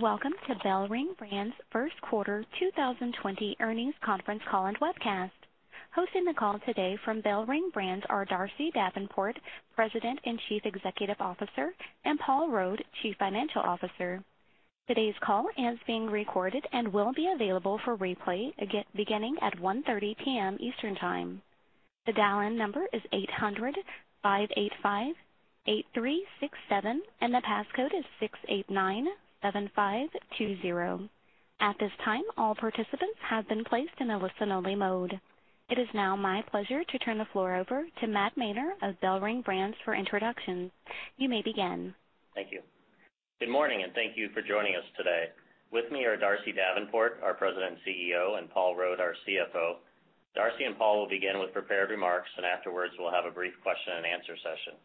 Welcome to BellRing Brands' first quarter 2020 earnings conference call and webcast. Hosting the call today from BellRing Brands are Darcy Davenport, President and Chief Executive Officer, and Paul Rode, Chief Financial Officer. Today's call is being recorded and will be available for replay beginning at 1:30 P.M. Eastern Time. The dial-in number is 800-585-8367 and the passcode is 6897520. At this time, all participants have been placed in a listen-only mode. It is now my pleasure to turn the floor over to Matt Mainer of BellRing Brands for introductions. You may begin. Thank you. Good morning, and thank you for joining us today. With me are Darcy Davenport, our President and CEO, and Paul Rode, our CFO. Darcy and Paul will begin with prepared remarks, and afterward, we'll have a brief question and answer session.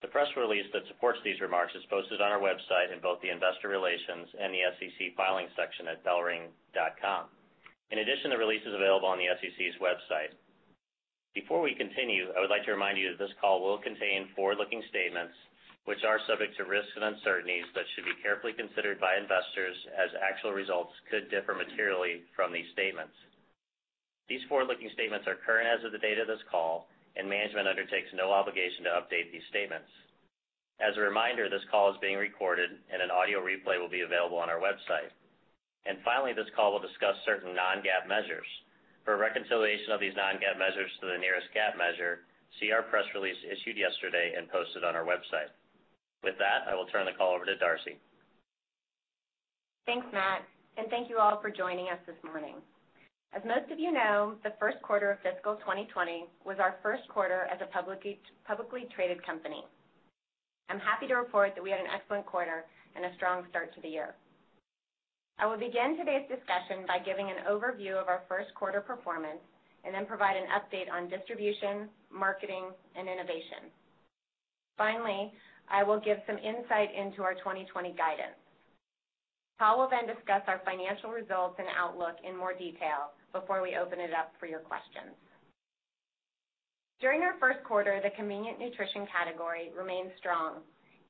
The press release that supports these remarks is posted on our website in both the investor relations and the SEC filings section at bellring.com. In addition, the release is available on the SEC's website. Before we continue, I would like to remind you that this call will contain forward-looking statements that are subject to risks and uncertainties that should be carefully considered by investors, as actual results could differ materially from these statements. These forward-looking statements are current as of the date of this call, and management undertakes no obligation to update these statements. As a reminder, this call is being recorded, and an audio replay will be available on our website. Finally, this call will discuss certain non-GAAP measures. For a reconciliation of these non-GAAP measures to the nearest GAAP measure, see our press release issued yesterday and posted on our website. With that, I will turn the call over to Darcy. Thanks, Matt. Thank you all for joining us this morning. As most of you know, the first quarter of fiscal 2020 was our first quarter as a publicly traded company. I'm happy to report that we had an excellent quarter and a strong start to the year. I will begin today's discussion by giving an overview of our first quarter performance and then provide an update on distribution, marketing, and innovation. Finally, I will give some insight into our 2020 guidance. Paul will discuss our financial results and outlook in more detail before we open it up for your questions. During our first quarter, the convenient nutrition category remained strong,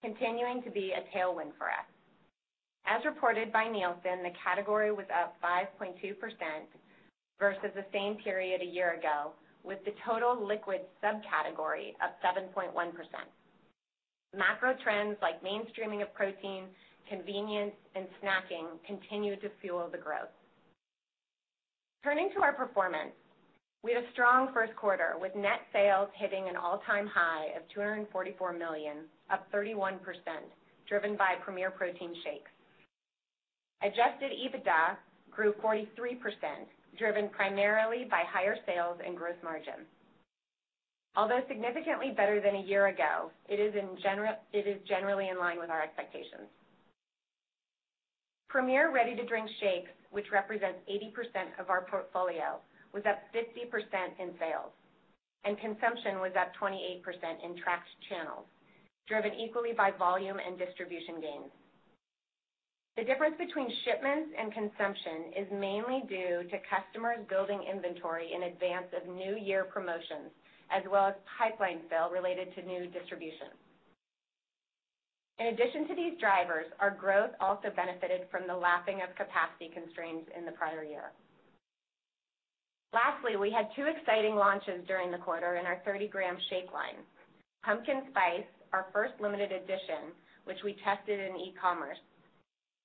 continuing to be a tailwind for us. As reported by Nielsen, the category was up 5.2% versus the same period a year ago, with the total liquid subcategory up 7.1%. Macro trends like the mainstreaming of protein, convenience, and snacking continue to fuel the growth. Turning to our performance, we had a strong first quarter, with net sales hitting an all-time high of $244 million, up 31%, driven by Premier Protein shakes. Adjusted EBITDA grew 43%, driven primarily by higher sales and gross margin. Although significantly better than a year ago, it is generally in line with our expectations. Premier Protein ready-to-drink shakes, which represent 80% of our portfolio, were up 50% in sales, and consumption was up 28% in tracked channels, driven equally by volume and distribution gains. The difference between shipments and consumption is mainly due to customers building inventory in advance of new year promotions as well as pipeline sales related to new distribution. In addition to these drivers, our growth also benefited from the lapping of capacity constraints in the prior year. Lastly, we had two exciting launches during the quarter in our 30-gram shake line. Pumpkin Spice, our first limited edition, which we tested in e-commerce,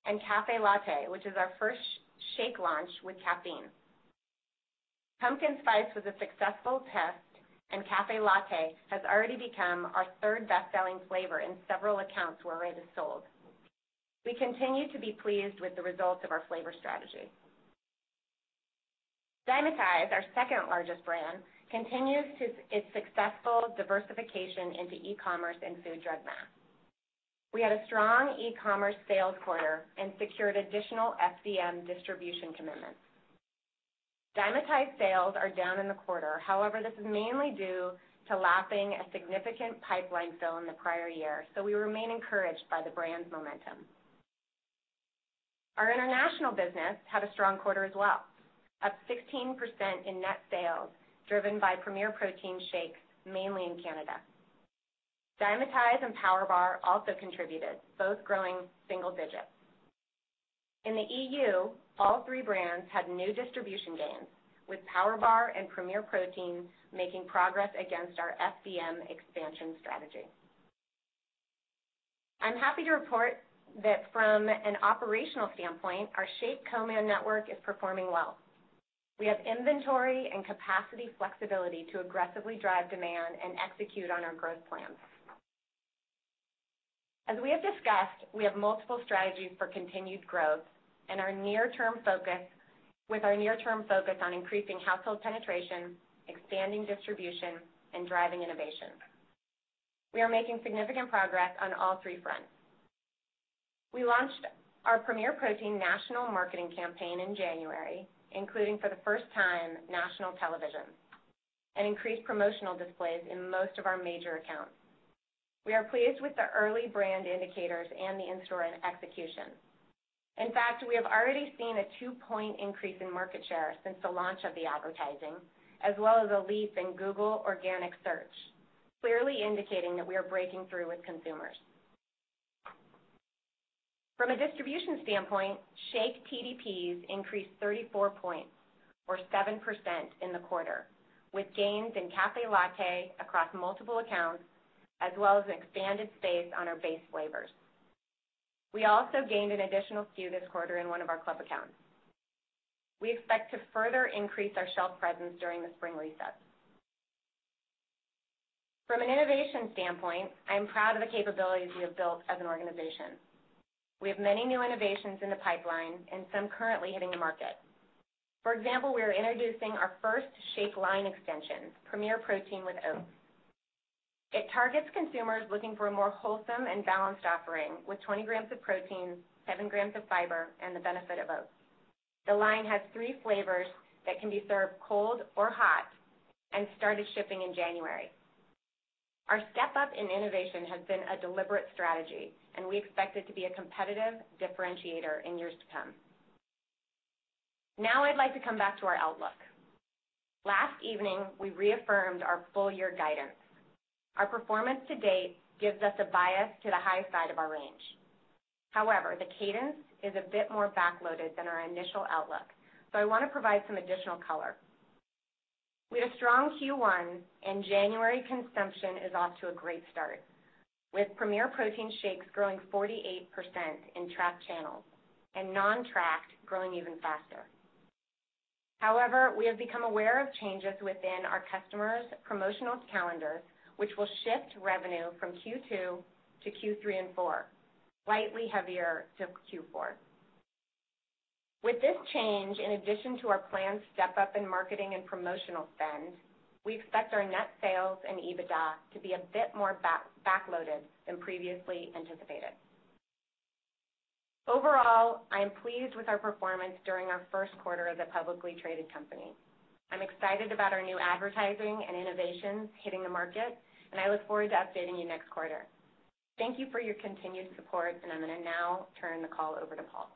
and Café Latte, which is our first shake launch with caffeine. Pumpkin Spice was a successful test, and Café Latte has already become our third best-selling flavor in several accounts where it is sold. We continue to be pleased with the results of our flavor strategy. Dymatize, our second largest brand, continues its successful diversification into e-commerce and food, drug, mass. We had a strong e-commerce sales quarter and secured additional FDM distribution commitments. Dymatize sales are down in the quarter. However, this is mainly due to lapping a significant pipeline fill in the prior year, so we remain encouraged by the brand's momentum. Our international business had a strong quarter as well, up 16% in net sales, driven by Premier Protein shakes, mainly in Canada. Dymatize and PowerBar also contributed, both growing by single digits. In the EU, all three brands had new distribution gains, with PowerBar and Premier Protein making progress against our FDM expansion strategy. I'm happy to report that from an operational standpoint, our shake co-man network is performing well. We have inventory and capacity flexibility to aggressively drive demand and execute on our growth plans. As we have discussed, we have multiple strategies for continued growth with our near-term focus on increasing household penetration, expanding distribution, and driving innovation. We are making significant progress on all three fronts. We launched our Premier Protein national marketing campaign in January, including for the first time national television and increased promotional displays in most of our major accounts. We are pleased with the early brand indicators and the in-store execution. In fact, we have already seen a two-point increase in market share since the launch of the advertising, as well as a leap in Google organic search clearly indicating that we are breaking through with consumers. From a distribution standpoint, shake TDPs increased 34 points, or 7%, in the quarter, with gains in Café Latte across multiple accounts, as well as an expanded space on our base flavors. We also gained an additional SKU this quarter in one of our club accounts. We expect to further increase our shelf presence during the spring reset. From an innovation standpoint, I'm proud of the capabilities we have built as an organization. We have many new innovations in the pipeline and some currently hitting the market. For example, we are introducing our first shake line extension, Premier Protein with Oats. It targets consumers looking for a more wholesome and balanced offering with 20 grams of protein, seven grams of fiber, and the benefit of oats. The line has three flavors that can be served cold or hot and started shipping in January. Our step up in innovation has been a deliberate strategy, and we expect it to be a competitive differentiator in years to come. Now I'd like to come back to our outlook. Last evening, we reaffirmed our full-year guidance. Our performance to date gives us a bias to the high side of our range. However, the cadence is a bit more backloaded than our initial outlook, so I want to provide some additional color. We had a strong Q1, and January consumption is off to a great start, with Premier Protein shakes growing 48% in tracked channels and non-tracked growing even faster. We have become aware of changes within our customers' promotional calendars, which will shift revenue from Q2-Q3 and Q4, slightly heavier to Q4. With this change, in addition to our planned step up in marketing and promotional spend, we expect our net sales and EBITDA to be a bit more backloaded than previously anticipated. I am pleased with our performance during our first quarter as a publicly traded company. I'm excited about our new advertising and innovations hitting the market, and I look forward to updating you next quarter. Thank you for your continued support, and I'm going to now turn the call over to Paul.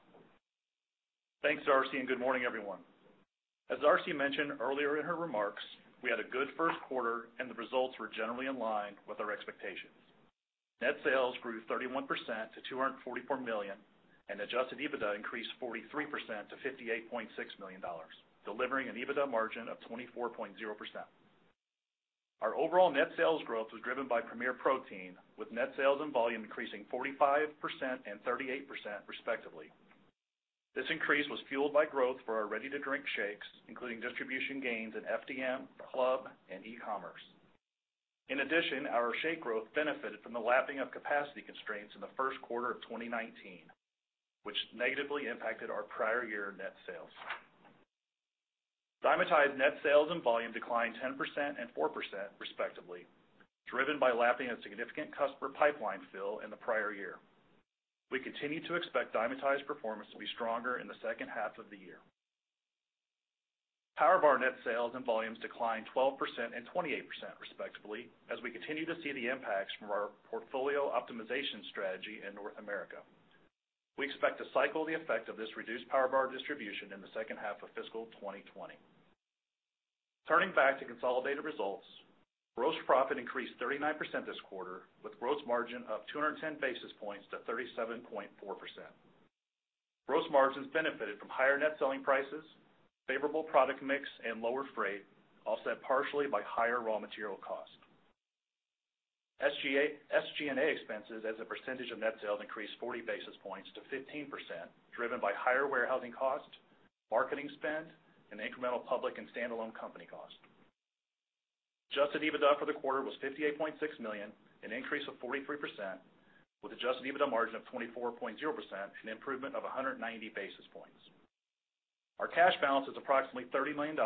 Thanks, Darcy, and good morning, everyone. As Darcy mentioned earlier in her remarks, we had a good first quarter, and the results were generally in line with our expectations. Net sales grew 31% to $244 million, and adjusted EBITDA increased 43% to $58.6 million, delivering an EBITDA margin of 24.0%. Our overall net sales growth was driven by Premier Protein, with net sales and volume increasing 45% and 38%, respectively. This increase was fueled by growth for our ready-to-drink shakes, including distribution gains in FDM, club, and e-commerce. In addition, our shake growth benefited from the lapping of capacity constraints in the first quarter of 2019, which negatively impacted our prior year net sales. Dymatize net sales and volume declined 10% and 4%, respectively, driven by lapping a significant customer pipeline fill in the prior year. We continue to expect Dymatize performance to be stronger in the second half of the year. Powerbar net sales and volumes declined 12% and 28%, respectively, as we continue to see the impacts from our portfolio optimization strategy in North America. We expect to cycle the effect of this reduced power bar distribution in the second half of fiscal 2020. Turning back to consolidated results, gross profit increased 39% this quarter, with gross margin up 210 basis points to 37.4%. Gross margins benefited from higher net selling prices, favorable product mix, and lower freight, offset partially by higher raw material costs. SG&A expenses as a percentage of net sales increased 40 basis points to 15%, driven by higher warehousing costs, marketing spend, and incremental public and standalone company costs. Adjusted EBITDA for the quarter was $58.6 million, an increase of 43%, with an adjusted EBITDA margin of 24.0%, an improvement of 190 basis points. Our cash balance is approximately $30 million,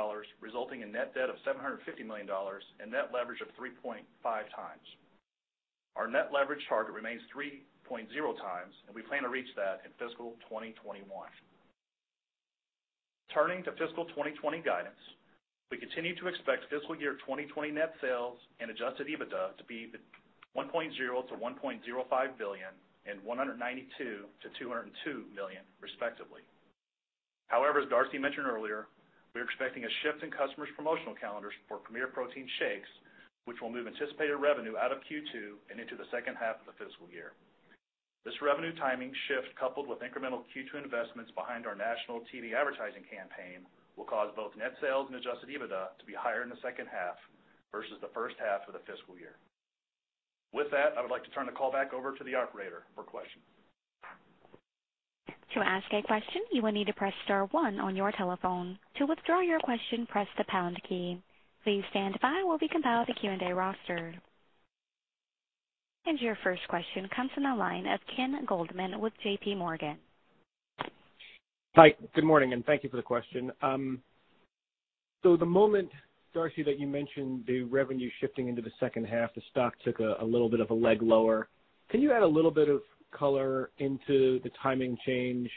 resulting in net debt of $750 million and net leverage of 3.5x. Our net leverage target remains 3.0x, and we plan to reach that in fiscal 2021. Turning to fiscal 2020 guidance, we continue to expect fiscal year 2020 net sales and adjusted EBITDA to be $1.0 billion-$1.05 billion and $192 million-$202 million, respectively. However, as Darcy mentioned earlier, we are expecting a shift in customers' promotional calendars for Premier Protein shakes, which will move anticipated revenue out of Q2 and into the second half of the fiscal year. This revenue timing shift, coupled with incremental Q2 investments behind our national TV advertising campaign, will cause both net sales and adjusted EBITDA to be higher in the second half versus the first half of the fiscal year. With that, I would like to turn the call back over to the operator for questions. To ask a question, you will need to press star one on your telephone. To withdraw your question, press the pound key. Please stand by while we compile the Q&A roster. Your first question comes from the line of Ken Goldman with JPMorgan. Hi. Good morning, and thank you for the question. The moment, Darcy, that you mentioned the revenue shifting into the second half, the stock took a little bit of a leg lower. Can you add a little bit of color into the timing change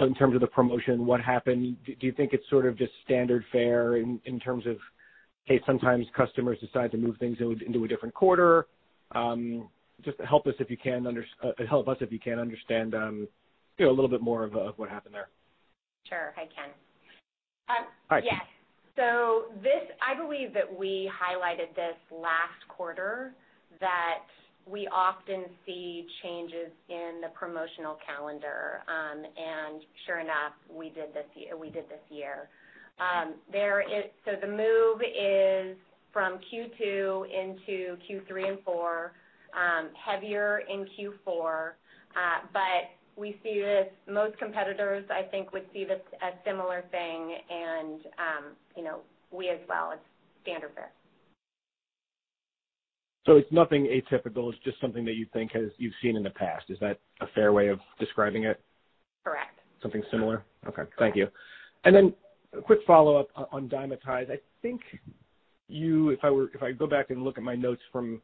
in terms of the promotion, what happened? Do you think it's sort of just standard fare in terms of, hey, sometimes customers decide to move things into a different quarter? Just help us, if you can, understand a little bit more of what happened there. Sure. Hi, Ken. Yes. I believe that we highlighted this last quarter that we often see changes in the promotional calendar. Sure enough, we did this year. The move is from Q2 into Q3 and Q4, heavier in Q4. Most competitors, I think, would see this as a similar thing, and we as well. It's standard fare. It's nothing atypical. It's just something that you think you've seen in the past. Is that a fair way of describing it? Correct. Something similar? Okay. Thank you. Then a quick follow-up on Dymatize. If I go back and look at my notes from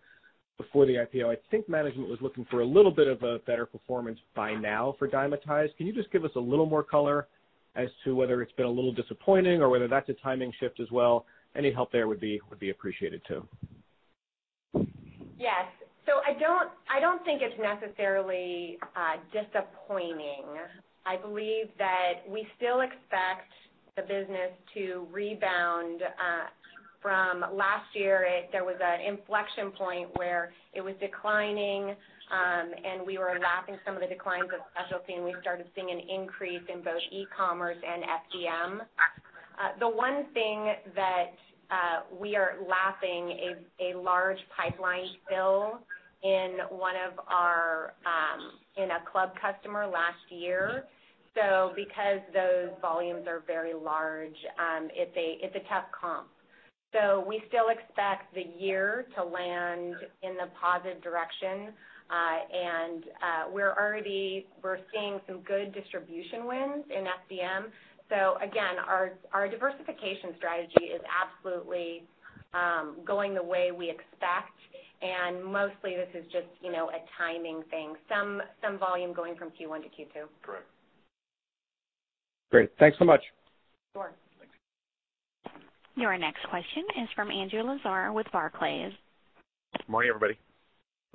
before the IPO, I think management was looking for a little bit of a better performance by now for Dymatize. Can you just give us a little more color as to whether it's been a little disappointing or whether that's a timing shift as well? Any help there would be appreciated too. Yes. I don't think it's necessarily disappointing. I believe that we still expect the business to rebound. From last year, there was an inflection point where it was declining, and we were lapping some of the declines with specialty, and we started seeing an increase in both e-commerce and FDM. The one thing that we are lapping is a large pipeline fill for a club customer last year. Because those volumes are very large, it's a tough comp. We still expect the year to land in the positive direction. We're seeing some good distribution wins in FDM. Again, our diversification strategy is absolutely going the way we expect, and mostly this is just a timing thing, some volume going from Q1 to Q2. Correct. Great. Thanks so much. Sure. Thanks. Your next question is from Andrew Lazar with Barclays. Morning, everybody.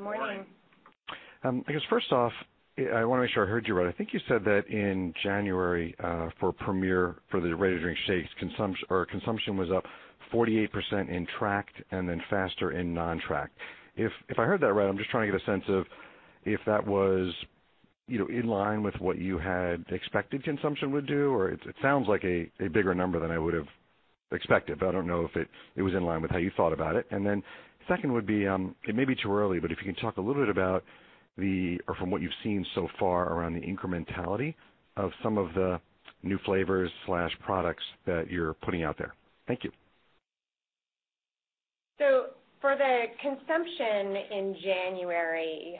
Morning. Morning. I guess first off, I want to make sure I heard you right. I think you said that in January for Premier, for the ready-to-drink shakes, consumption was up 48% in tracked and then faster in non-tracked. If I heard that right, I'm just trying to get a sense of if that was in line with what you had expected consumption would do, or it sounds like a bigger number than I would have expected, but I don't know if it was in line with how you thought about it. Second would be, it may be too early, but if you can talk a little bit about what you've seen so far around the incrementality of some of the new flavors/products that you're putting out there. Thank you. For the consumption in January,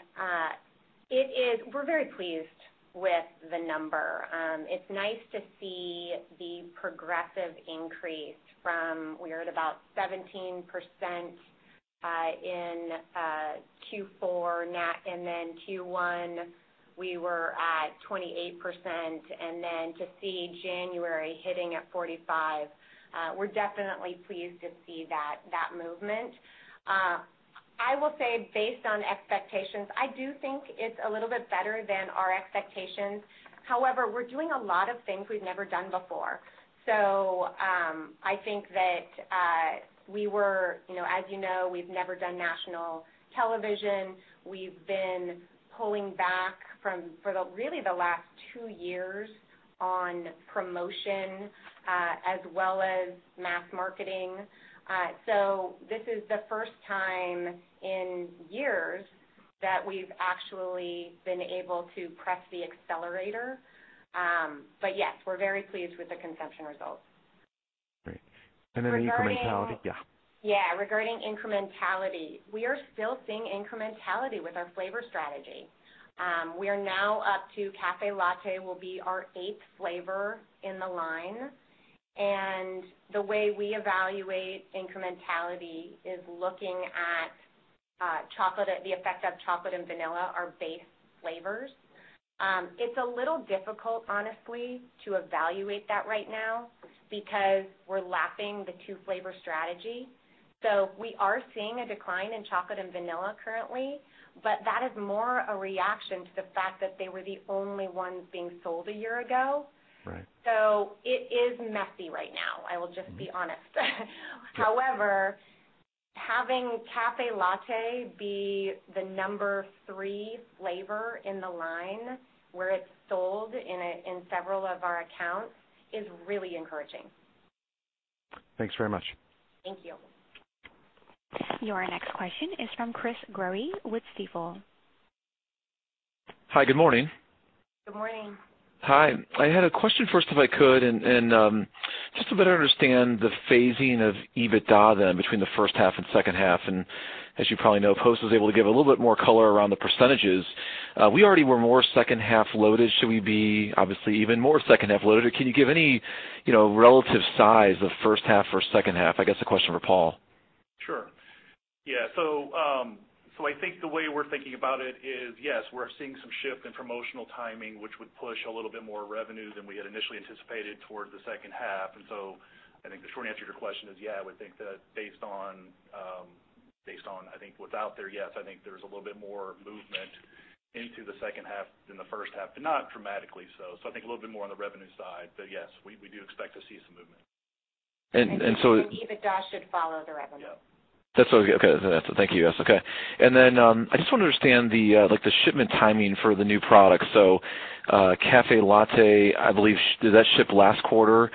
we're very pleased with the number. It's nice to see the progressive increase from when we were at about 17% in Q4. In Q1 we were at 28%. Then to see January hitting at 45%, we're definitely pleased to see that movement. I will say based on expectations, I do think it's a little bit better than our expectations. We're doing a lot of things we've never done before. I think that, as you know, we've never done national television. We've been pulling back for really the last two years on promotion, as well as mass marketing. This is the first time in years that we've actually been able to press the accelerator. Yes, we're very pleased with the consumption results. Great. The incrementality? Yeah. Yeah. Regarding incrementality, we are still seeing incrementality with our flavor strategy. We are now up to Café Latte, which will be our eighth flavor in the line. The way we evaluate incrementality is looking at the effect of chocolate and vanilla, our base flavors. It's a little difficult, honestly, to evaluate that right now because we're lapping the two-flavor strategy. We are seeing a decline in chocolate and vanilla currently, but that is more a reaction to the fact that they were the only ones being sold a year ago. Right. It is messy right now; I will just be honest. However, having Café Latte be the number three flavor in the line, where it's sold in several of our accounts, is really encouraging. Thanks very much. Thank you. Your next question is from Chris Growe with Stifel. Hi. Good morning. Good morning. Hi. I had a question first, if I could, just to better understand the phasing of EBITDA between the first half and the second half. As you probably know, Post was able to give a little bit more color around the percentages. We already were more second-half loaded. Should we be obviously even more second-half loaded? Can you give any relative size of the first half versus the second half? I guess the question is for Paul. Sure. Yeah. I think the way we're thinking about it is, yes, we're seeing some shift in promotional timing, which would push a little bit more revenue than we had initially anticipated towards the second half. I think the short answer to your question is, yeah, I would think that based on what's out there, yes, I think there's a little bit more movement into the second half than the first half, not dramatically so. I think a little bit more on the revenue side. Yes, we do expect to see some movement. And so- We believe EBITDA should follow the revenue. Yeah. That's okay. Thank you. That's okay. I just want to understand the shipment timing for the new product. Café Latte, I believe, did that ship last quarter?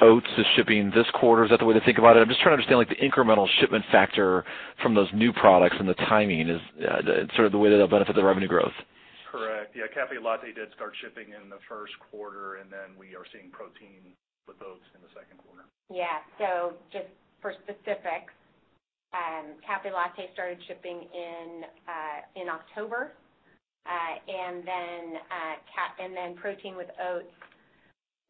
Oats is shipping this quarter. Is that the way to think about it? I'm just trying to understand the incremental shipment factor from those new products and the timing is, the way that'll benefit the revenue growth. Correct. Yeah. Café Latte did start shipping in the first quarter. We are seeing Protein with Oats in the second quarter. Just for specifics, Café Latte started shipping in October. Protein with Oats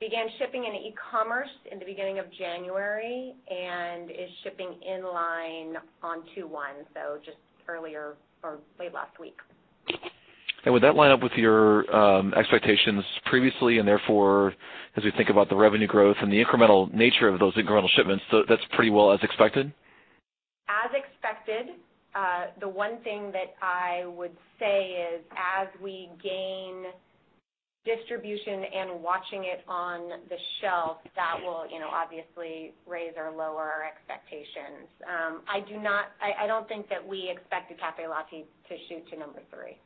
began shipping in e-commerce at the beginning of January and is shipping in line on 2/1, so just earlier or late last week. Would that line up with your expectations previously, and therefore, as we think about the revenue growth and the incremental nature of those incremental shipments, that's pretty well as expected? As expected. The one thing that I would say is as we gain distribution and watching it on the shelf, that will obviously raise or lower our expectations. I don't think that we expected Café Latte to shoot to number three.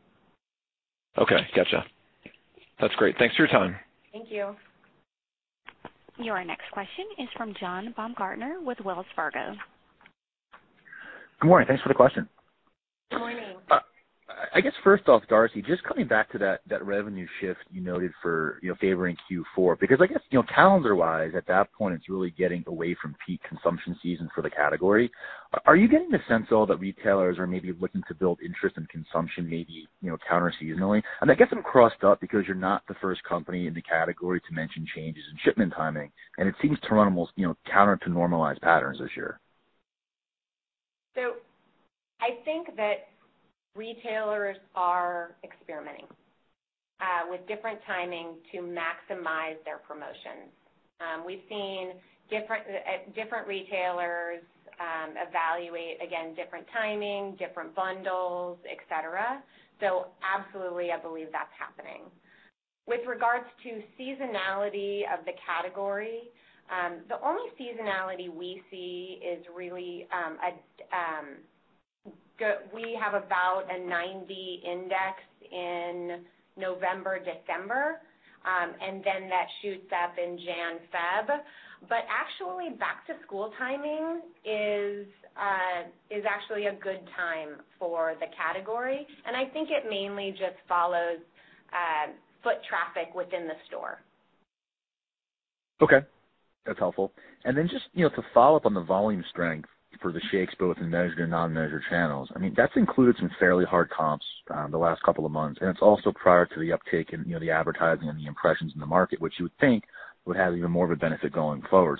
Okay, gotcha. That's great. Thanks for your time. Thank you. Your next question is from John Baumgartner with Wells Fargo. Good morning. Thanks for the question. Good morning. I guess first off, Darcy, just coming back to that revenue shift you noted for favoring Q4, because I guess, calendar-wise, at that point, it's really getting away from peak consumption season for the category. Are you getting the sense that all retailers are maybe looking to build interest in consumption maybe counter-seasonally? That gets them crossed up because you're not the first company in the category to mention changes in shipment timing, and it seems to run almost counter to normalized patterns this year. I think that retailers are experimenting with different timing to maximize their promotions. We've seen different retailers evaluate, again, different timing, different bundles, et cetera. Absolutely, I believe that's happening. With regard to seasonality of the category, the only seasonality we see is really we have about a 90 index in November and December, and then that shoots up in January and February. Actually, back-to-school timing is actually a good time for the category, and I think it mainly just follows foot traffic within the store. Okay. That's helpful. Just to follow up on the volume strength for the shakes, both in measured and non-measured channels, that's included some fairly hard comps the last couple of months, and it's also prior to the uptake in the advertising and the impressions in the market, which you would think would have even more of a benefit going forward.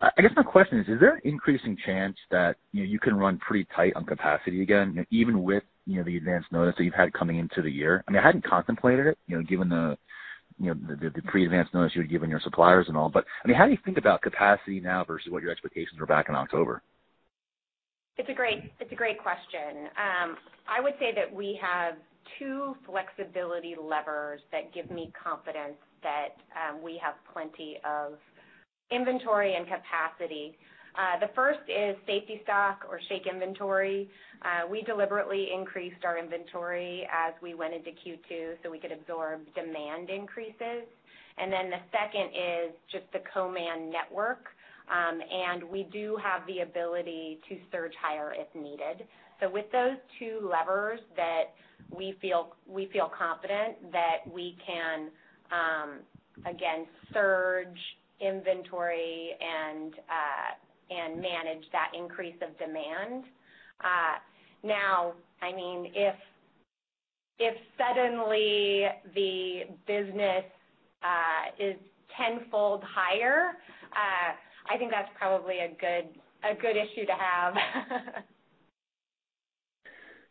I guess my question is, is there an increasing chance that you can run pretty tight on capacity again, even with the advanced notice that you've had coming into the year? I hadn't contemplated it, given the pre-advanced notice you had given your suppliers and all, how do you think about capacity now versus what your expectations were back in October? It's a great question. I would say that we have two flexibility levers that give me confidence that we have plenty of inventory and capacity. The first is safety stock or shake inventory. We deliberately increased our inventory as we went into Q2 so we could absorb demand increases. The second is just the co-man network. We do have the ability to surge higher if needed. With those two levers, we feel confident that we can, again, surge inventory and manage that increase of demand. Now, if suddenly the business is tenfold higher, I think that's probably a good issue to have.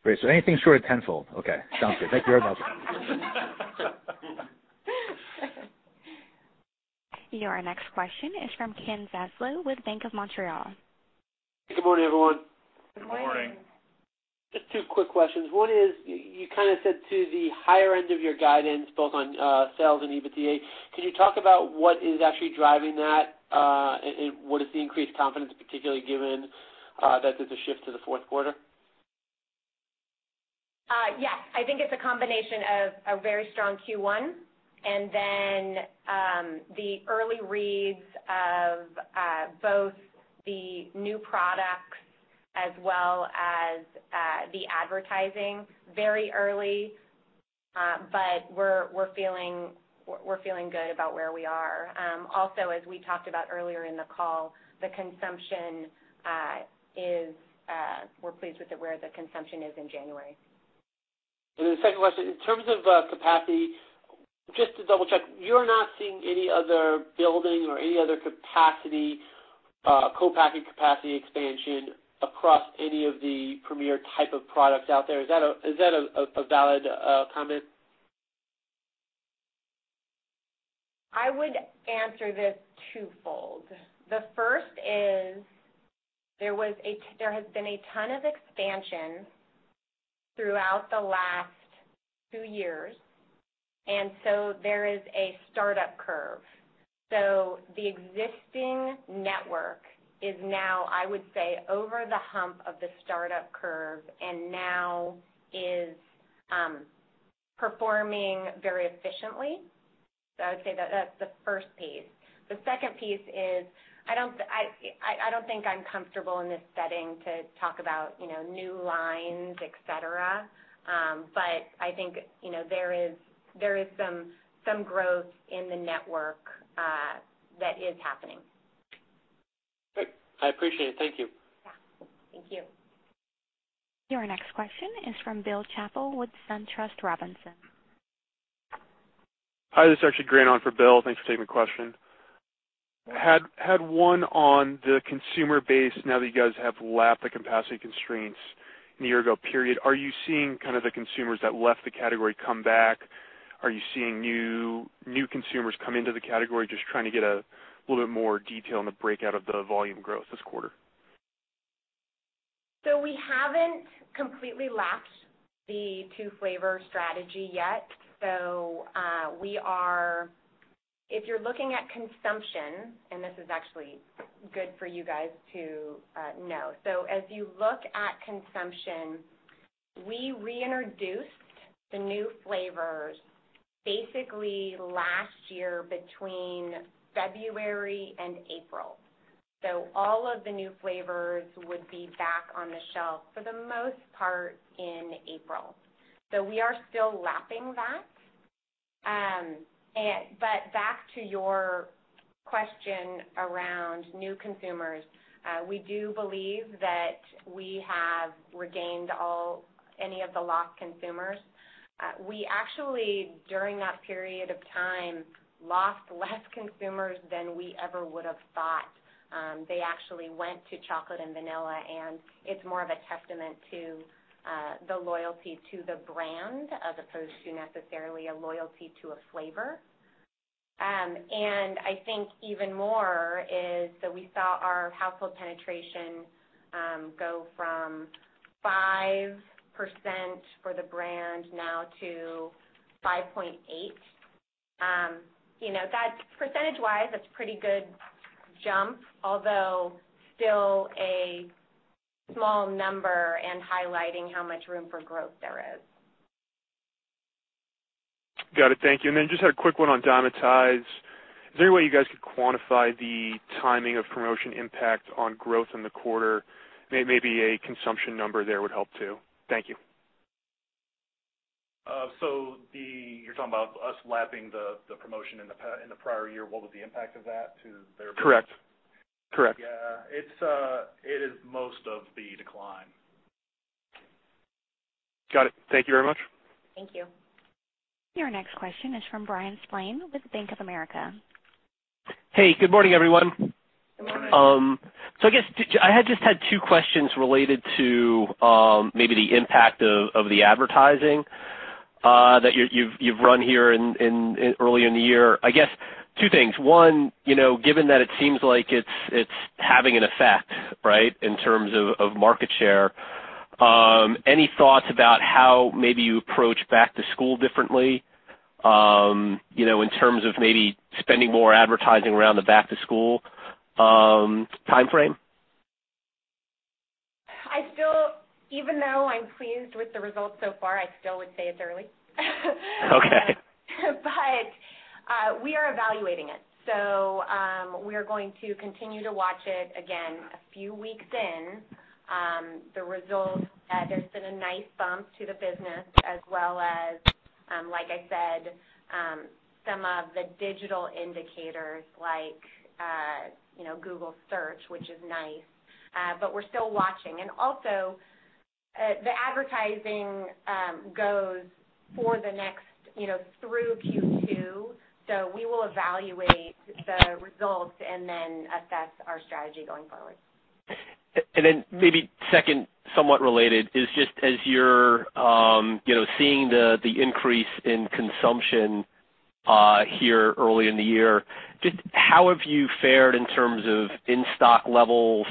Great. Anything short of tenfold. Okay. Sounds good. Thank you very much. Your next question is from Ken Zaslow with Bank of Montreal. Good morning, everyone. Good morning. Good morning. Just two quick questions. One is you kind of said to the higher end of your guidance, both on sales and EBITDA, could you talk about what is actually driving that? What is the increased confidence, particularly given that there's a shift to the fourth quarter? Yes. I think it's a combination of a very strong Q1 and then the early reads of both the new products as well as the advertising very early. We're feeling good about where we are. Also, as we talked about earlier in the call, we're pleased with where the consumption is in January. The second question, in terms of capacity, just to double-check, you're not seeing any other building or any other capacity co-packing capacity expansion across any of the premier types of products out there. Is that a valid comment? I would answer this twofold. The first is there has been a ton of expansion throughout the last two years. There is a startup curve. The existing network is now, I would say, over the hump of the startup curve and is now performing very efficiently. I would say that's the first piece. The second piece is I don't think I'm comfortable in this setting to talk about new lines, et cetera. I think there is some growth in the network that is happening. Great. I appreciate it. Thank you. Yeah. Thank you. Your next question is from Bill Chappell with SunTrust Robinson. Hi, this is actually Grant on for Bill. Thanks for taking my question. I had one on the consumer base now that you guys have lapped the capacity constraints in the year-ago period. Are you seeing the consumers that left the category come back? Are you seeing new consumers come into the category? I am just trying to get a little bit more detail on the breakout of the volume growth this quarter. We haven't completely lapped the two-flavor strategy yet. If you're looking at consumption, this is actually good for you guys to know. As you look at consumption, we reintroduced the new flavors basically last year between February and April. All of the new flavors would be back on the shelf for the most part in April. We are still lapping that. Back to your question around new consumers, we do believe that we have regained any of the lost consumers. We actually, during that period of time, lost fewer consumers than we ever would've thought. They actually went to chocolate and vanilla; it's more of a testament to the loyalty to the brand as opposed to necessarily a loyalty to a flavor. I think even more is that we saw our household penetration go from 5% for the brand now to 5.8%. Percentage-wise, that's a pretty good jump, although still a small number and highlighting how much room for growth there is. Got it. Thank you. Then just had a quick one on Dymatize. Is there any way you guys could quantify the timing of promotion impact on growth in the quarter? Maybe a consumption number there would help, too. Thank you. You're talking about us lapping the promotion in the prior year; what was the impact of that? Correct. Yeah. It is most of the decline. Got it. Thank you very much. Thank you. Your next question is from Bryan Spillane with Bank of America. Hey, good morning, everyone. Good morning. I guess I just had two questions related to maybe the impact of the advertising that you've run here early in the year. I guess two things. One, given that it seems like it's having an effect, right, in terms of market share, any thoughts about how maybe you approach back to school differently, in terms of maybe spending more advertising around the back-to-school timeframe? Even though I'm pleased with the results so far, I still would say it's early. Okay. We are evaluating it. We are going to continue to watch it. Again, a few weeks in, the results: there's been a nice bump to the business as well as, like I said, some of the digital indicators like Google Search, which is nice. We're still watching. The advertising goes through Q2. We will evaluate the results and then assess our strategy going forward. Then maybe second, somewhat related, is just as you're seeing the increase in consumption here early in the year, how have you fared in terms of in-stock levels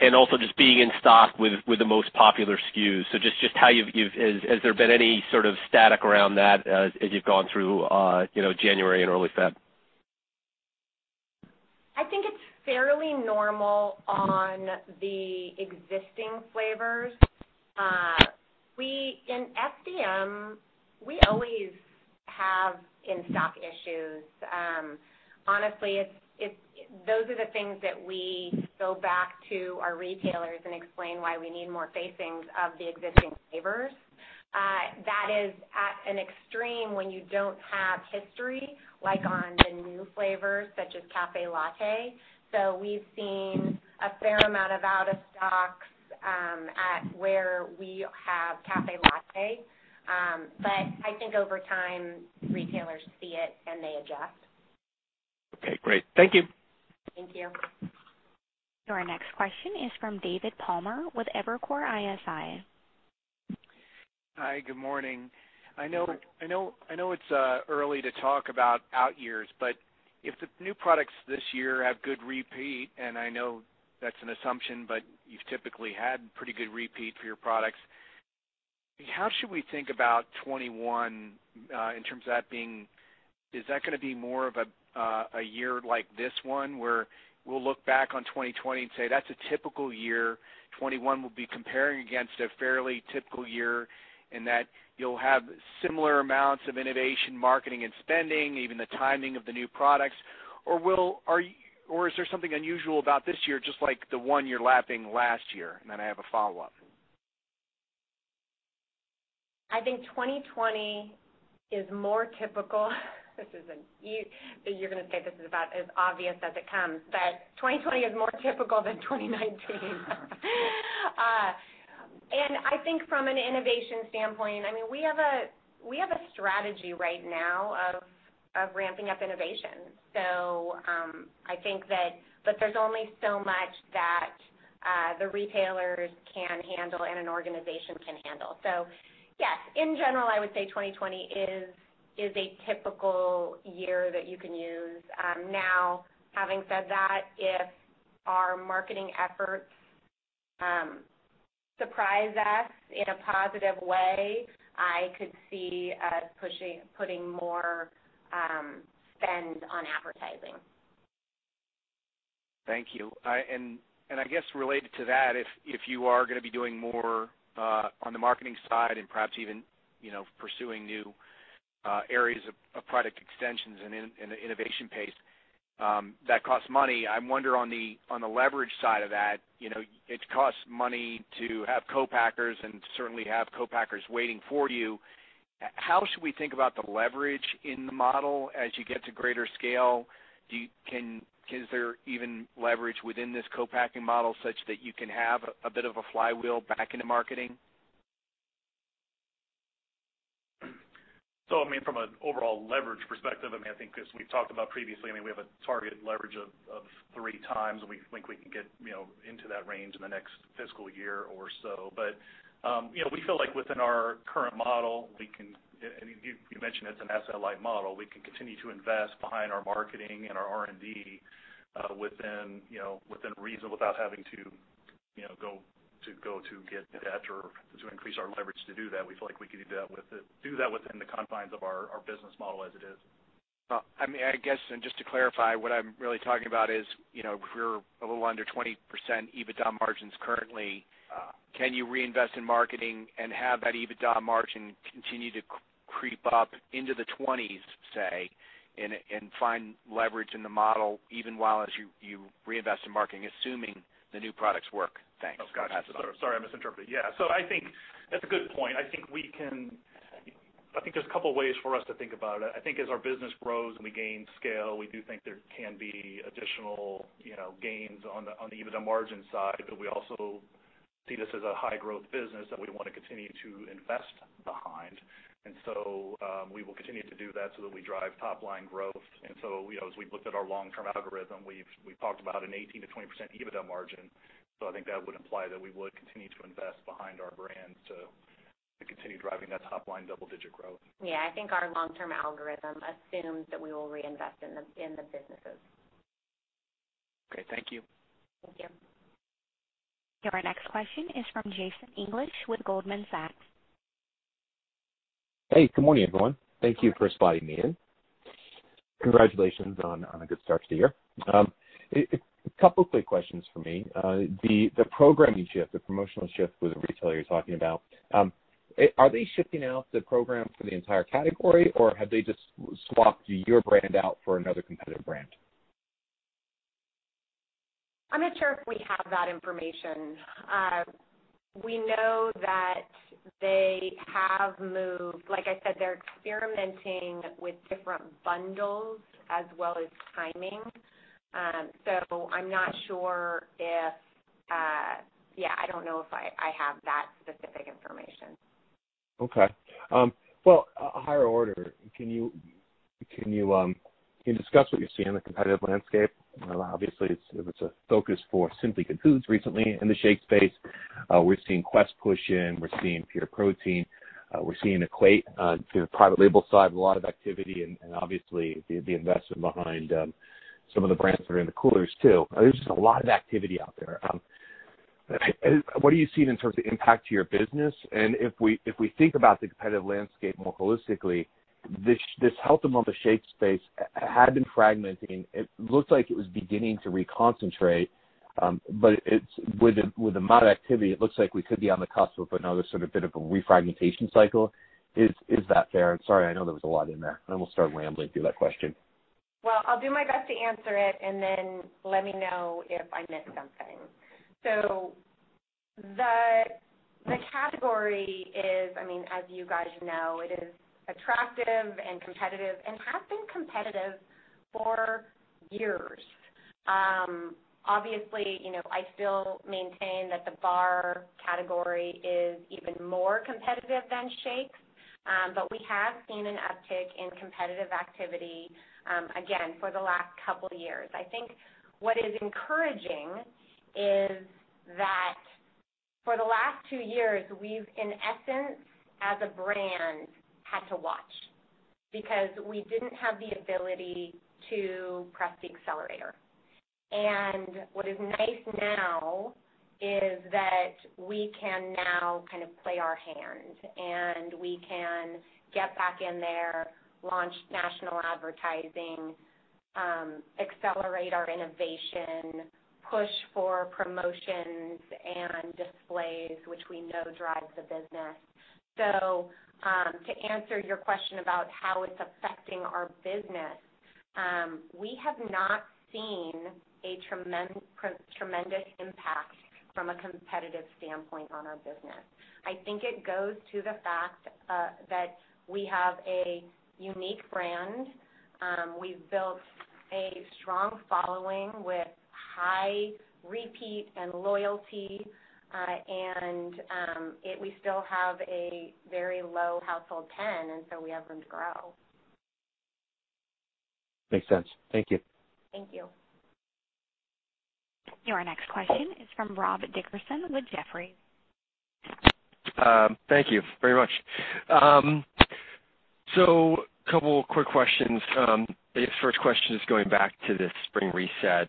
and also just being in stock with the most popular SKUs? Just has there been any sort of static around that as you've gone through January and early Feb? I think it's fairly normal for the existing flavors. In FDM, we always have in-stock issues. Honestly, those are the things that we go back to our retailers with and explain why we need more facings of the existing flavors. That is at an extreme when you don't have history, like with the new flavors such as Café Latte. We've seen a fair amount of out-of-stocks where we have Café Latte. I think over time, retailers see it and they adjust. Okay, great. Thank you. Thank you. Your next question is from David Palmer with Evercore ISI. Hi, good morning. I know it's early to talk about our years, but if the new products this year have good repeat, and I know that's an assumption, but you've typically had pretty good repeat for your products, how should we think about 2021 in terms of that? Is that going to be more of a year like this one, where we'll look back on 2020 and say that's a typical year, and 2021 will be comparing against a fairly typical year in that you'll have similar amounts of innovation, marketing, and spending, even the timing of the new products, or is there something unusual about this year, just like the one you're lapping last year? I have a follow-up. I think 2020 is more typical. You're going to say this is about as obvious as it gets: 2020 is more typical than 2019. I think from an innovation standpoint, we have a strategy right now of ramping up innovation. I think that, but there's only so much that the retailers can handle and an organization can handle. Yes, in general, I would say 2020 is a typical year that you can use. Now, having said that, if our marketing efforts surprise us in a positive way, I could see us putting more spend on advertising. Thank you. I guess related to that, if you are going to be doing more on the marketing side and perhaps even pursuing new areas of product extensions and innovation pace, that costs money. I wonder on the leverage side of that; it costs money to have co-packers and certainly to have co-packers waiting for you. How should we think about the leverage in the model as you get to greater scale? Is there even leverage within this co-packing model such that you can have a bit of a flywheel back into marketing? From an overall leverage perspective, I think as we've talked about previously, we have a target leverage of 3x, and we think we can get into that range in the next fiscal year or so. We feel like within our current model, and you mentioned it's an asset-light model, we can continue to invest in our marketing and our R&D within reason without having to go get the debt or to increase our leverage to do that. We feel like we could do that within the confines of our business model as it is. I guess, just to clarify, what I'm really talking about is, if we're a little under 20% EBITDA margins currently, can you reinvest in marketing and have that EBITDA margin continue to creep up into the 20s, say, and find leverage in the model even while you reinvest in marketing, assuming the new products work? Thanks. Oh, gotcha. Sorry, I misinterpreted. Yeah. I think that's a good point. I think there are a couple ways for us to think about it. I think as our business grows and we gain scale, we do think there can be additional gains on the EBITDA margin side, but we also see this as a high-growth business that we'd want to continue to invest behind. We will continue to do that so that we drive top-line growth. As we've looked at our long-term algorithm, we've talked about an 18%-20% EBITDA margin. I think that would imply that we would continue to invest behind our brands to continue driving that top-line double-digit growth. Yeah, I think our long-term algorithm assumes that we will reinvest in the businesses. Okay, thank you. Thank you. Your next question is from Jason English with Goldman Sachs. Hey, good morning, everyone. Thank you for spotting me in. Congratulations on a good start to the year. A couple quick questions from me. The programming shift and the promotional shift with the retailer you're talking about—are they shifting out the program for the entire category, or have they just swapped your brand out for another competitive brand? I'm not sure if we have that information. We know that they have moved Like I said, they're experimenting with different bundles as well as timing. Yeah, I don't know if I have that specific information. Okay. Well, a higher order, can you discuss what you're seeing in the competitive landscape? Obviously, it was a focus for The Simply Good Foods Company recently in the shake space. We're seeing Quest push in; we're seeing Pure Protein; we're seeing Equate through the private label side, a lot of activity, and obviously, the investment behind some of the brands that are in the coolers, too. There's just a lot of activity out there. What are you seeing in terms of impact to your business? If we think about the competitive landscape more holistically, this health and wellness shake space has been fragmenting. It looked like it was beginning to reconcentrate. With the amount of activity, it looks like we could be on the cusp of another sort of bit of a refragmentation cycle. Is that fair? Sorry, I know there was a lot in there. I almost started rambling through that question. I'll do my best to answer it, and then let me know if I missed something. The category is, as you guys know, attractive and competitive and has been competitive for years. Obviously, I still maintain that the bar category is even more competitive than shakes. We have seen an uptick in competitive activity, again, for the last couple of years. I think what is encouraging is that for the last two years, we've, in essence, as a brand, had to watch because we didn't have the ability to press the accelerator. What is nice now is that we can now play our hand, and we can get back in there, launch national advertising, and accelerate our innovation and push for promotions and displays, which we know drives the business. To answer your question about how it's affecting our business, we have not seen a tremendous impact from a competitive standpoint on our business. I think it goes to the fact that we have a unique brand. We've built a strong following with high repeat and loyalty. We still have a very low household pen, and so we have room to grow. Makes sense. Thank you. Thank you. Your next question is from Rob Dickerson with Jefferies. Thank you very much. A couple quick questions. I guess the first question is going back to this spring reset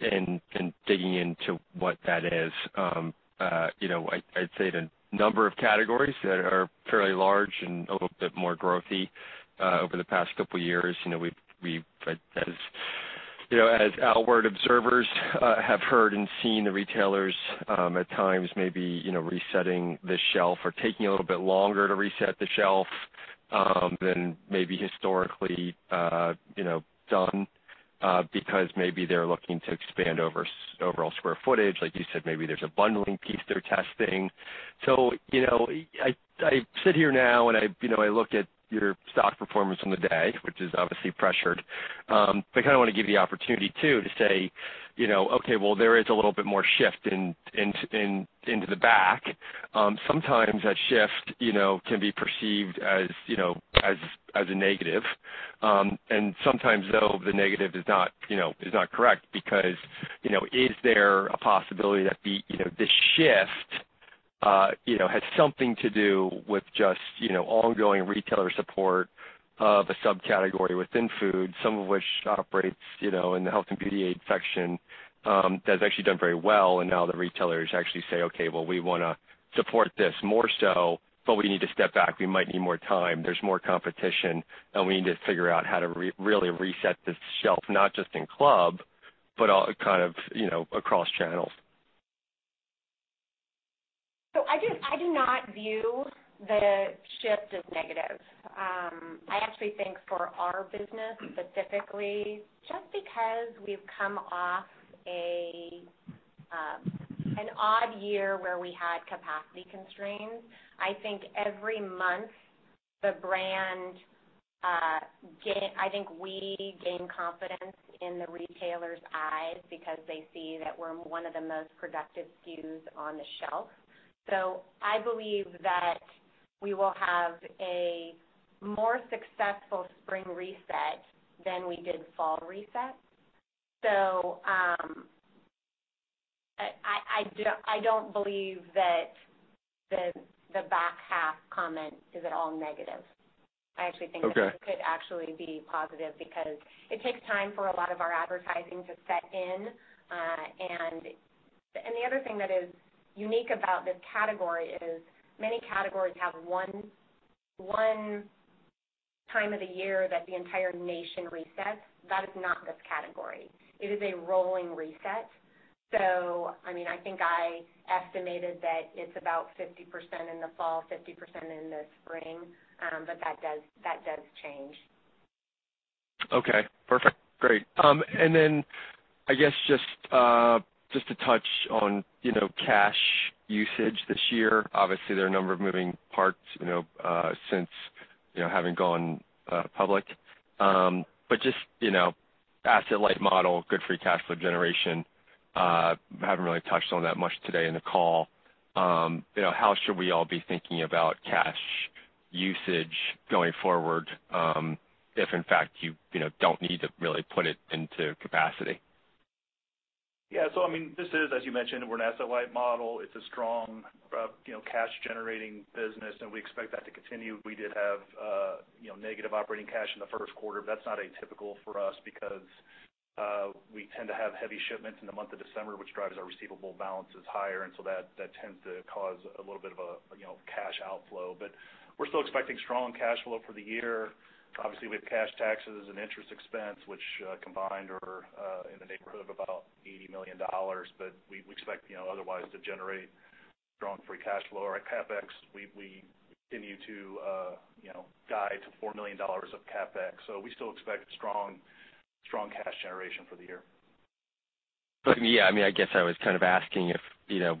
and digging into what that is. I'd say the number of categories that are fairly large and a little bit more growth-oriented over the past couple of years, as outward observers have heard and seen the retailers at times maybe resetting the shelf or taking a little bit longer to reset the shelf than maybe historically done because maybe they're looking to expand over overall square footage. Like you said, maybe there's a bundling piece they're testing. I sit here now, and I look at your stock performance on the day, which is obviously pressured. I want to give you the opportunity, too, to say, okay, well, there is a little bit more shift into the back. Sometimes that shift can be perceived as a negative. Sometimes, though, the negative is not correct because there is a possibility that this shift has something to do with just ongoing retailer support of a subcategory within food, some of which operates in the health and beauty aid section that's actually done very well. Now the retailers actually say, Okay, well, we want to support this more so, but we need to step back. We might need more time. There's more competition, and we need to figure out how to reset this shelf, not just in club, but across channels. I do not view the shift as negative. I actually think for our business specifically, just because we've come off an odd year where we had capacity constraints, I think every month the brand—I think we gain confidence in the retailers' eyes because they see that we're one of the most productive SKUs on the shelf. I believe that we will have a more successful spring reset than we did a fall reset. I don't believe that the back half comment is at all negative. Okay. I actually think that it could actually be positive because it takes time for a lot of our advertising to set in. The other thing that is unique about this category is many categories have one time of the year when the entire nation resets. That is not this category. It is a rolling reset. I think I estimated that it's about 50% in the fall and 50% in the spring. That does change. Okay, perfect. Great. I guess just to touch on cash usage this year. Obviously, there are a number of moving parts since having gone public. Just an asset-light model with good free cash flow generation. Haven't really touched on that much today in the call. How should we all be thinking about cash usage going forward, if in fact, you don't need to really put it into capacity? This is, as you mentioned, an asset-light model. It's a strong cash-generating business. We expect that to continue. We did have negative operating cash in the first quarter, but that's not atypical for us because we tend to have heavy shipments in the month of December, which drives our receivable balances higher. That tends to cause a little bit of a cash outflow. We're still expecting strong cash flow for the year. Obviously, we have cash, taxes, and interest expense, which combined are in the neighborhood of about $80 million. We expect otherwise to generate strong free cash flow for CapEx. We continue to guide to $4 million of CapEx. We still expect strong cash generation for the year. Yeah, I guess I was kind of asking if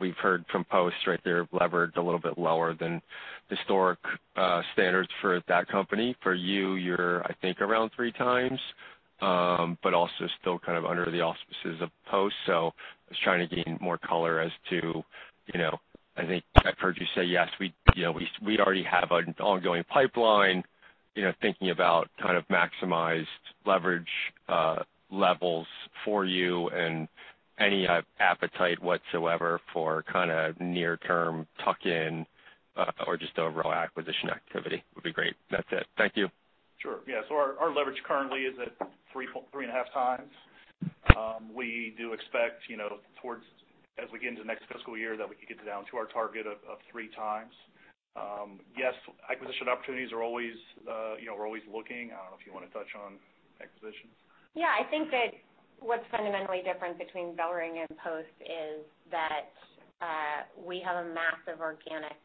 we've heard from Post, right? They're levered a little bit lower than historic standards for that company. For you, it's, I think, around 3x. Also still kind of under the auspices of Post. I was trying to gain more color as to, I think I've heard you say, "Yes, we already have an ongoing pipeline," thinking about kind of maximized leverage levels for you and any appetite whatsoever for kind of near term tuck-in or just overall acquisition activity would be great. That's it. Thank you. Sure. Yeah. Our leverage currently is at three and a half times. We do expect, as we get into the next fiscal year, that we could get down to our target of three times. Yes, acquisition opportunities are always looking. I don't know if you want to touch on acquisitions. I think that what's fundamentally different between BellRing and Post is that we have a massive organic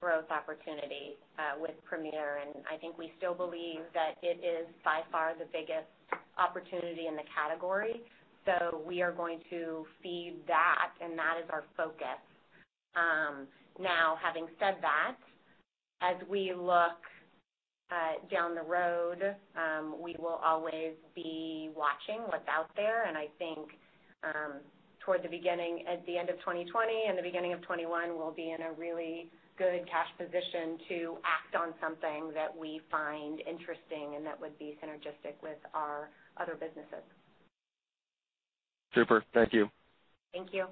growth opportunity with Premier, and I think we still believe that it is by far the biggest opportunity in the category. We are going to feed that, and that is our focus. Now, having said that, as we look down the road, we will always be watching what's out there, and I think, toward the end of 2020 and the beginning of 2021, we'll be in a really good cash position to act on something that we find interesting and that would be synergistic with our other businesses. Super. Thank you. Thank you.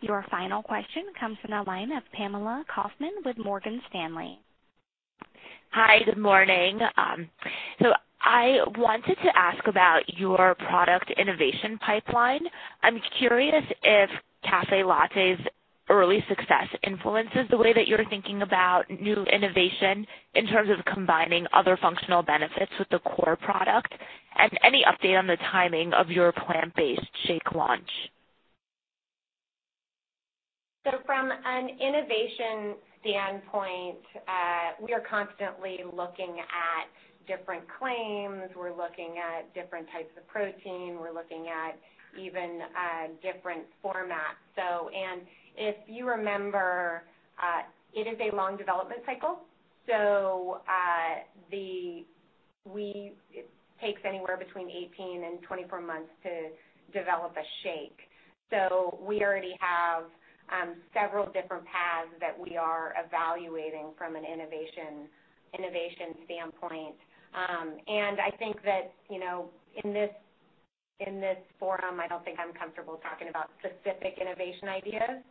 Your final question comes from the line of Pamela Kaufman with Morgan Stanley. Hi. Good morning. I wanted to ask about your product innovation pipeline. I'm curious if Café Latte's early success influences the way that you're thinking about new innovation in terms of combining other functional benefits with the core product and if there are any updates on the timing of your plant-based shake launch. From an innovation standpoint, we are constantly looking at different claims. We're looking at different types of protein. We're looking at even different formats. If you remember, it is a long development cycle. It takes anywhere between 18 and 24 months to develop a shake. We already have several different paths that we are evaluating from an innovation standpoint. I think that, in this forum, I don't think I'm comfortable talking about specific innovation ideas.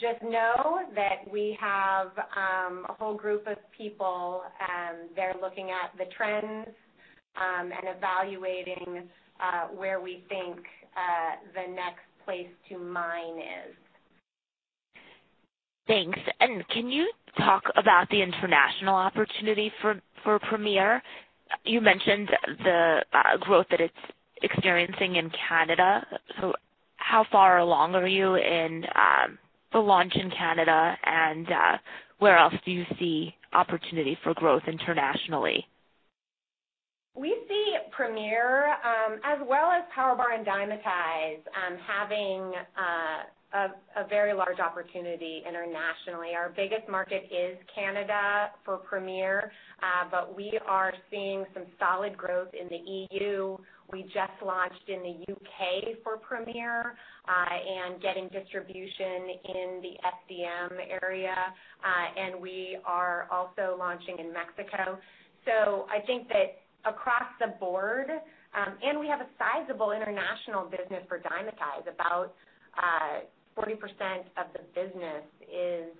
Just know that we have a whole group of people. They're looking at the trends and evaluating where we think the next place to mine is. Thanks. Can you talk about the international opportunity for Premier? You mentioned the growth that it's experiencing in Canada. How far along are you in the launch in Canada, and where else do you see opportunity for growth internationally? We see Premier, as well as PowerBar and Dymatize, having a very large opportunity internationally. Our biggest market is Canada for Premier, but we are seeing some solid growth in the EU. We just launched in the U.K. for Premier, and getting distribution in the FDM area. We are also launching in Mexico. I think that across the board. We have a sizable international business for Dymatize. About 40% of the business is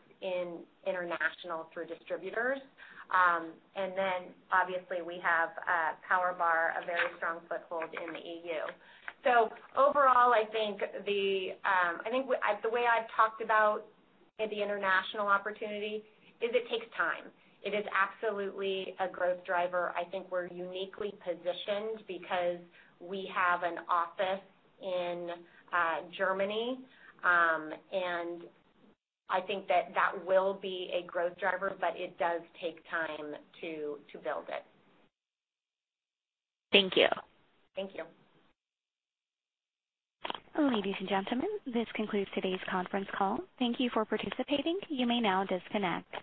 international through distributors. Obviously, we have PowerBar, a very strong foothold in the EU. Overall, I think the way I've talked about the international opportunity is it takes time. It is absolutely a growth driver. I think we're uniquely positioned because we have an office in Germany. I think that that will be a growth driver, but it does take time to build it. Thank you. Thank you. Ladies and gentlemen, this concludes today's conference call. Thank you for participating. You may now disconnect.